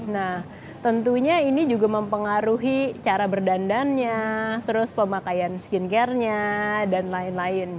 nah tentunya ini juga mempengaruhi cara berdandannya terus pemakaian skincare nya dan lain lain